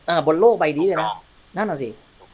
อ่าบนโลกใบนี้เลยนะโอ้สมบูรณ์ไม่ได้